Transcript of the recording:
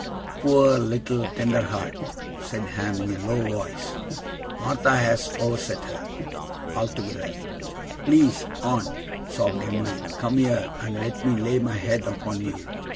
'Poor little tender heart,' said Ham, in a low voice. 'Martha has overset her, altogether.' 'Please, aunt,' sobbed Em'ly, 'come here, and let me lay my head upon you.